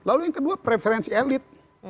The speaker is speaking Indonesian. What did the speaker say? lalu yang kedua preferensi elit